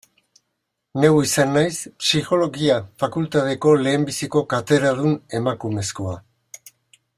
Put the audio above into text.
Neu izan naiz Psikologia fakultateko lehenbiziko katedradun emakumezkoa.